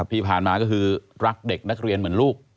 ที่ผ่านมาก็คือรักเด็กนักเรียนเหมือนลูก